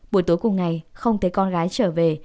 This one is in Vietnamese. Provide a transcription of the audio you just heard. buổi tối cùng ngày không thấy con gái trở về